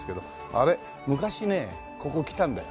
あれ昔ねここ来たんだよ。